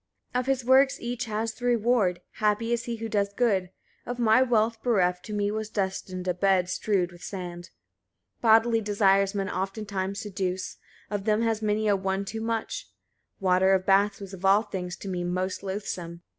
49. Of his works each has the reward: happy is he who does good. Of my wealth bereft, to me was destined a bed strewed with sand. 50. Bodily desires men oftentimes seduce, of them has many a one too much: water of baths was of all things to me most loathsome.